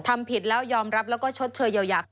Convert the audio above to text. ทำผิดแล้วยอมรับแล้วก็ชดเชยเยียวยา